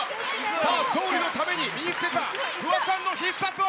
さあ、勝利のために身につけたフワちゃんの必殺技。